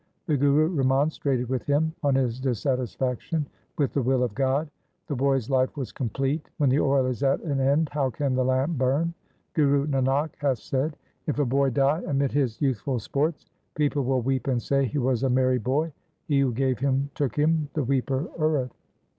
The Guru remonstrated with him on his dissatisfaction with the will of God. ' The boy's life was complete. When the oil is at an end, how can the lamp burn ? Guru Nanak hath said :— If a boy die amid his youthful sports, People will weep and say he was a merry boy. He who gave him took him, the weeper erreth.